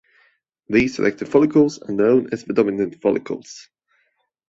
These selected follicles are known as the dominant follicles.